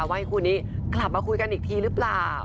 ว่าให้คู่นี้กลับมาคุยกันอีกทีหรือเปล่า